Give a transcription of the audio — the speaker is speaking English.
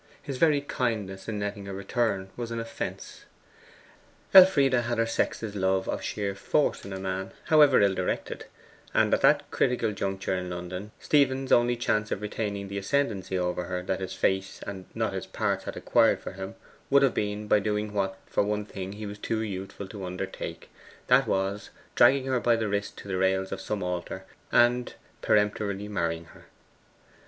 His very kindness in letting her return was his offence. Elfride had her sex's love of sheer force in a man, however ill directed; and at that critical juncture in London Stephen's only chance of retaining the ascendancy over her that his face and not his parts had acquired for him, would have been by doing what, for one thing, he was too youthful to undertake that was, dragging her by the wrist to the rails of some altar, and peremptorily marrying her.